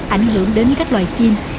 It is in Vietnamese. ảnh hưởng đến các loài chim